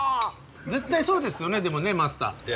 絶対そうですよねでもねマスター。